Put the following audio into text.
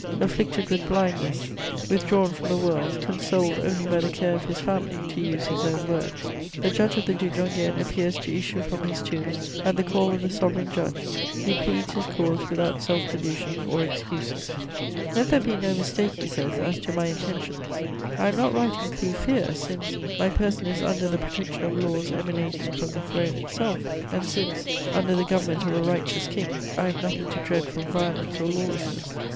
"Afflicted with blindness, withdrawn from the world, consoled only by the care of his family," to use his own words, the judge of the Duc d'Enghien appears to issue from his tomb at the call of the sovereign judge; he pleads his cause without self delusion or excuses: [Sidenote: General Hulin's pamphlet.] "Let there be no mistake," he says, "as to my intentions. I am not writing through fear, since my person is under the protection of laws emanating from the Throne itself, and since, under the government of a righteous king, I have nothing to dread from violence or lawlessness....